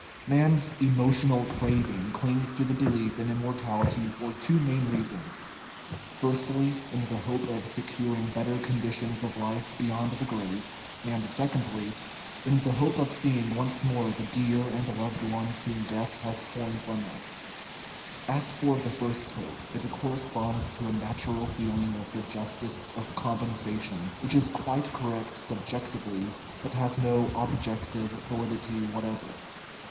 Man's "emotional craving" clings to the belief on immortality for two main reasons : firstly, in the hope of better conditions of life beyond the grave ; and, sec ondly, in the hope of seeing once more the dear and is 205 THE RIDDLE OF THE UNIVERSE loved ones whom death has torn from us. As for the first hope, it corresponds to a natural feeling of the justice of compensation, which is quite correct subjec tively, but has no objective validity whatever.